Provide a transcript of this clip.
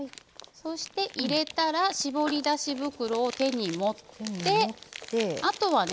入れたら絞り出し袋を手に持ってあとはね